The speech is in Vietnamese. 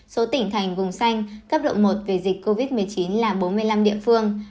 số tỉnh thành vùng xanh cấp độ một về dịch covid một mươi chín là bốn mươi năm địa phương